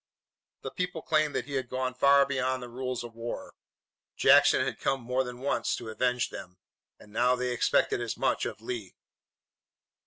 The people claimed that he had gone far beyond the rules of war. Jackson had come more than once to avenge them, and now they expected as much of Lee.